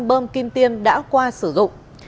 bơm kim tiên đã qua sử dụng